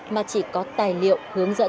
mà chỉ có tài liệu hướng dẫn cho giáo viên